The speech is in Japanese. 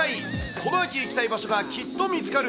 この秋行きたい場所がきっと見つかる！